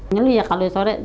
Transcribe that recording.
ngeli ya kalau sore